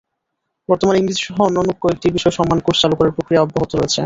বর্তমানে ইংরেজি সহ অন্যান্য কয়েকটি বিষয়ে সম্মান কোর্স চালু করার প্রক্রিয়া অব্যাহত রয়েছে।